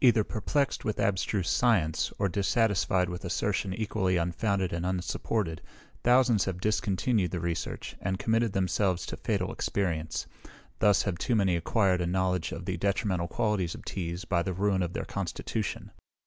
Either perplexed with abstruse science, or dissatisfied with assertion equally unfounded and unsupported, thousands have discontinued the research, and committed themselves to fatal experience. Thus have too many acquired a knowledge of the detrimental qualities of teas, by the ruin of their constitution.